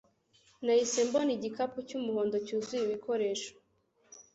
Nahise mbona igikapu cy'umuhondo cyuzuye ibikoresho